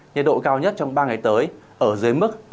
nhiệt độ cao nhất trong ba ngày tới ở dưới mức là ba mươi ba độ